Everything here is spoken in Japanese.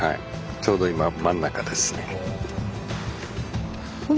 ちょうど今真ん中ですね。